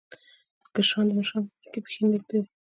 کشران د مشرانو په مخ کې پښې نه اوږدوي.